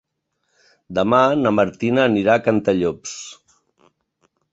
Demà na Martina anirà a Cantallops.